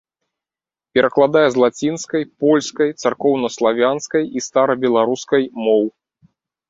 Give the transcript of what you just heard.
Перакладае з лацінскай, польскай, царкоўнаславянскай і старабеларускай моў.